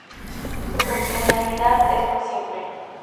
Su funcionalidad es muy simple.